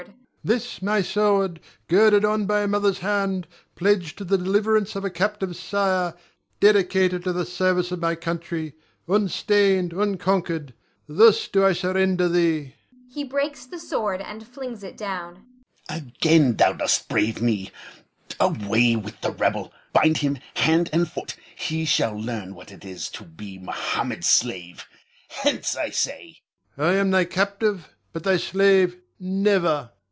This, my sword, girded on by a mother's hand, pledged to the deliverance of a captive sire, dedicated to the service of my country, unstained, unconquered, thus do I surrender thee. [He breaks the sword, and flings it down.] Moh'd. Again dost thou brave me! Away with the rebel! Bind him hand and foot. He shall learn what it is to be Mohammed's slave. Hence, I say! Ion. I am thy captive, but thy slave never!